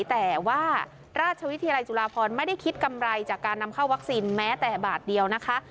แต่ว่าราชวิทยาลัยจุฬาพรไม่ได้คิดกำไรจากการนำเข้าวัคซีนแม้แต่บาทเดียวนะคะ